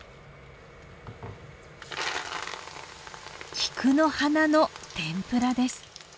菊の花の天ぷらです。